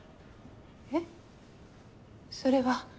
えっそれは。